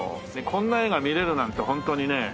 こんな画が見れるなんてホントにね。